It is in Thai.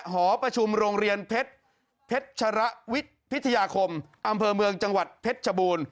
หอประชุมโรงเรียนเพชรเพชรพิทยาคมอำเภอเมืองจังหวัดเพชรชบูรณ์